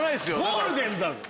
ゴールデンだぞ！